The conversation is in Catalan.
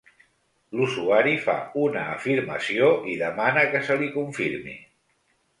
L'usuari fa una afirmació i demana que se li confirmi.